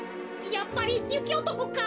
やっぱりゆきおとこか？